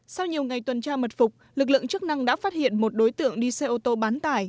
sau nhiều ngày tuần tra mật phục lực lượng chức năng đã phát hiện một đối tượng đi xe ô tô bán tải